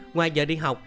ngoài giờ đi học